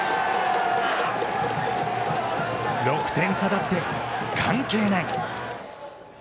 ６点差だって関係ない。